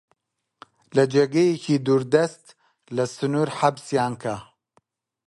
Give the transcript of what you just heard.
لە جێگەیەکی دووردەست، لە سنوور حەبسیان کە!